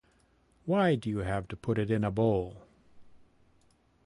Why do you have to put it in a bowl?